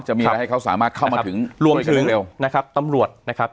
จะมีอะไรให้เขาสามารถเข้ามาถึงร่วมกันเร็วนะครับตำรวจนะครับ